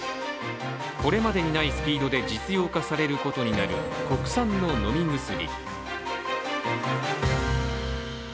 これまでにないスピードで実用化されることになる、国産の飲み薬。